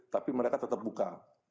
tapi mereka tetap buka